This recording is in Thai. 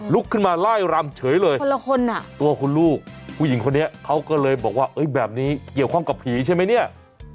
ลุกขึ้นมาไล่รำเฉยเลยคนละคนอ่ะตัวคุณลูกผู้หญิงคนนี้เขาก็เลยบอกว่าแบบนี้เกี่ยวข้องกับผีใช่ไหมเนี่ย